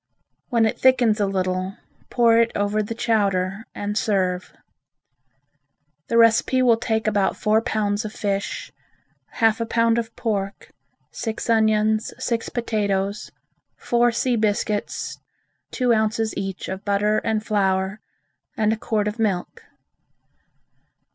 When it thickens a little, pour it over the chowder and serve. The recipe will take about four pounds of fish, half a pound of pork, six onions, six potatoes, four sea biscuits, two ounces each of butter and flour and a quart of milk.